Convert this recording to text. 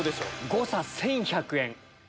誤差１１００円。